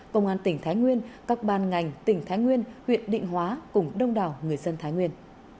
công an tỉnh thái nguyên các ban ngành tỉnh thái nguyên huyện định hóa cùng đông đảo người dân thái nguyên